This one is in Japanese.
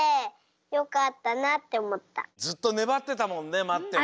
ずっとねばってたもんねまってね。